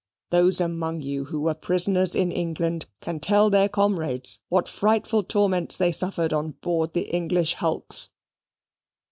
Those among you who were prisoners in England can tell their comrades what frightful torments they suffered on board the English hulks.